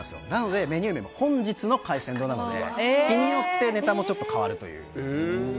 メニュー名も本日の海鮮丼なので日によってネタも変わるという。